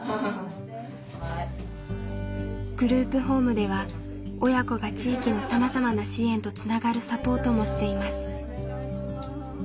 グループホームでは親子が地域のさまざまな支援とつながるサポートもしています。